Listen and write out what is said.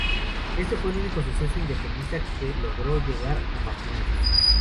Este fue el único suceso independentista que logró llegar a Mapimí.